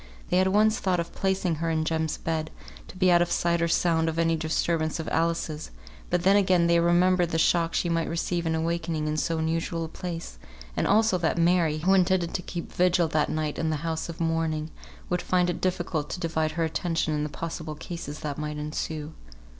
They had once thought of placing her in Jem's bed, to be out of sight or sound of any disturbance of Alice's, but then again they remembered the shock she might receive in awakening in so unusual a place, and also that Mary, who intended to keep vigil that night in the house of mourning, would find it difficult to divide her attention in the possible cases that might ensue.